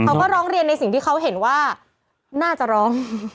เขาก็ร้องเรียนในสิ่งที่เขาเห็นว่าน่าจะร้อง